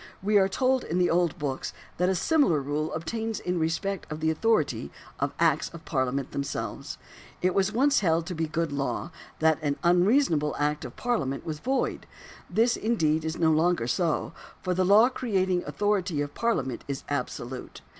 We are told in the old books that a similar rule obtains in respect of the authority of acts of Parliament themselves. It was once held to be good law, that an unreasonable act of Parliament was void. This, indeed, is no longer so ; for the law creating authority of Parliament is absolute.